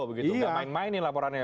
tidak main main nih laporannya